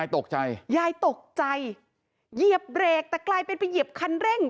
ตกใจยายตกใจเหยียบเบรกแต่กลายเป็นไปเหยียบคันเร่ง